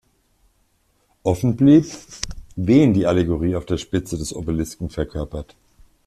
Offen blieb, wen die Allegorie auf der Spitze des Obelisken verkörpert.